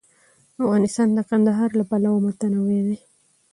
افغانستان د کندهار له پلوه متنوع ولایت دی.